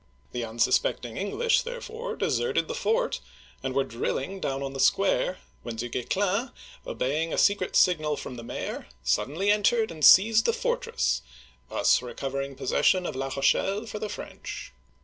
The unsus pecting English, therefore, deserted the fort, and were drilling down on the square, when Du Guesclin, obeying a secret signal from the mayor, suddenly entered and seized the fortress, thus recovering possession of La Rochelle for the French.